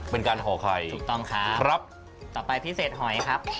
ห่อไข่ถูกต้องครับต่อไปพิเศษหอยครับ